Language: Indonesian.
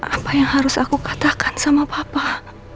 apa yang harus aku katakan sama papa